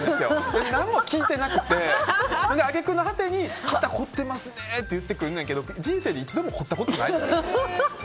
あれ、何も効いてなくて揚げ句の果てに肩こってますねって言ってくるんやけど人生で一度もこったことないのね。